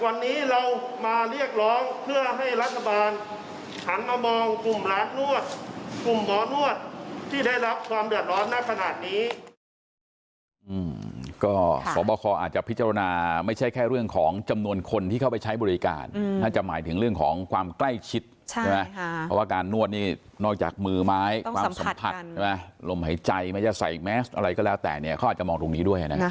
วันนี้เรามาเรียกร้องเพื่อให้รัฐบาลหันมามองกลุ่มร้านนวดกลุ่มหมอนวดที่ได้รับความเดือดร้อนณขนาดนี้